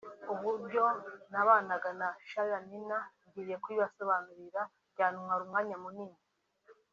uburyo nabanaga na Charly&Nina ngiye kubibasobanurira byantwara umwanya munini